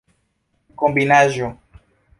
kombinaĵo